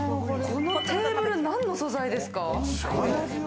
このテーブル、何の素材です